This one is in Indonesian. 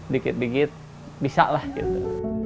dikit dikit bisa lah gitu